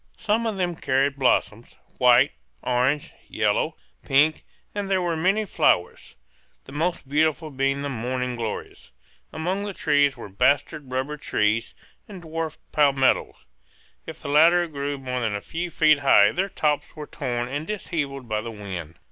Some of them carried blossoms, white, orange, yellow, pink; and there were many flowers, the most beautiful being the morning glories. Among the trees were bastard rubber trees, and dwarf palmetto; if the latter grew more than a few feet high their tops were torn and dishevelled by the wind.